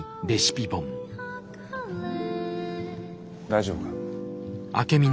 大丈夫か？